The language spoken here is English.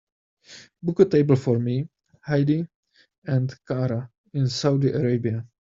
book a table for me, heidi and cara in Saudi Arabia